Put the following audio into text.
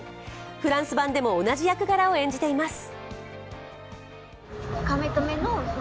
フランス版でも同じ役柄を演じています。